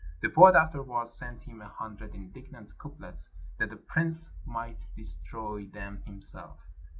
The poet afterwards sent him a hundred indignant couplets, that the prince might destroy them himself.